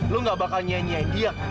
lo gak bakal nyanyi nyiain dia kan